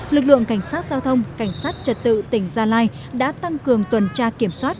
lực lượng cảnh sát giao thông cảnh sát trật tự tỉnh gia lai đã tăng cường tuần tra kiểm soát